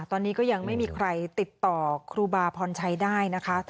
ตอนนี้ก็ยังไม่มีใครติดต่อครูบาพรชัยได้นะคะ